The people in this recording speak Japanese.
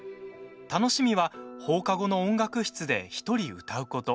楽しみは、放課後の音楽室で１人歌うこと。